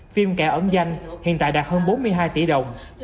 phim kẻ ẩn danh hiện tại đạt hơn bốn mươi hai tỷ đồng